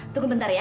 tunggu bentar ya